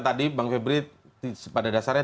tadi bang febri pada dasarnya